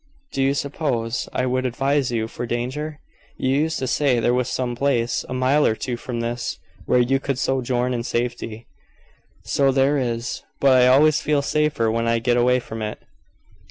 Do you suppose I would advise you for danger? You used to say there was some place, a mile or two from this, where you could sojourn in safety." "So there is. But I always feel safer when I get away from it."